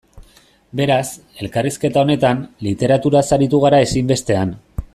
Beraz, elkarrizketa honetan, literaturaz aritu gara ezinbestean.